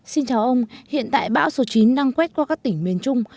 xin chào ông hiện tại bão số chín đang quét qua các tỉnh miền trung